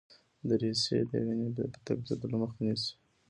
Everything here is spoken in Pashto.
دریڅې د وینې د بیرته ګرځیدلو مخه نیسي.